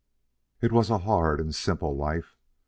It was a hard and simple life.